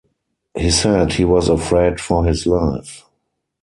He said he was afraid for his life.